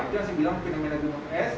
itu masih bilang penimunan s